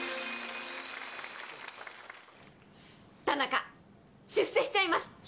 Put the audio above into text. たなか、出世しちゃいます。